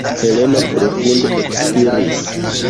Heleno profunde ekspiris.